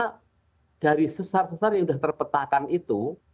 karena dari sesar sesar yang sudah terpetakan itu